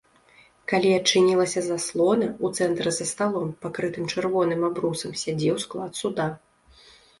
Калі адчынілася заслона, у цэнтры за сталом, пакрытым чырвоным абрусам, сядзеў склад суда.